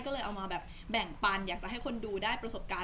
ก็เลยเอามาแบบแบ่งปันอยากจะให้คนดูได้ประสบการณ์